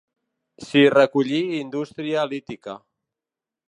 S'hi recollí indústria lítica.